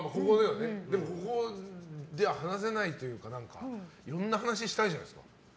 でもここでは話せないというかいろんな話したいじゃないですか。